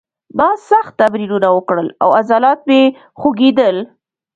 ما سخت تمرینونه وکړل او عضلات مې خوږېدل